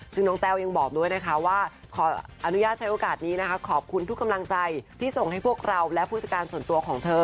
ซึ่งน้องแต้วยังบอกด้วยนะคะว่าขออนุญาตใช้โอกาสนี้นะคะขอบคุณทุกกำลังใจที่ส่งให้พวกเราและผู้จัดการส่วนตัวของเธอ